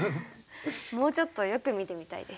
もうちょっとよく見てみたいです。